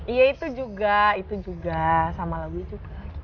iya itu juga itu juga sama lagu juga